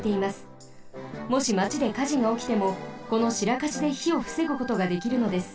もしまちでかじがおきてもこのシラカシでひをふせぐことができるのです。